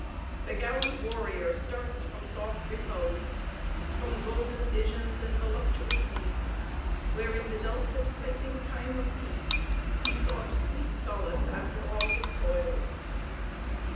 The gallant warrior starts from soft repose from golden visions and voluptuous ease; where, in the dulcet "piping time of peace," he sought sweet solace after all his toils.